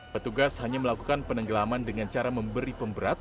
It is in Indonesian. petugas hanya melakukan penenggelaman dengan cara memberi pemberat